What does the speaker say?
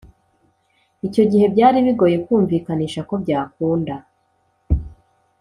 icyo gihe byari bigoye kumvikanisha ko byakunda